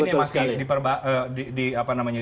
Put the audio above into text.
yang masih dikomunikasikan ya